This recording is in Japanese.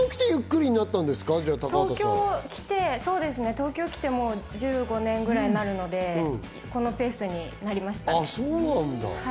東京に来て１５年くらいになるので、このペースになりました。